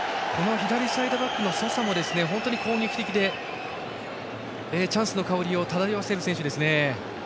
左サイドバックのソサも本当に攻撃的でチャンスの香りを漂わせる選手ですね。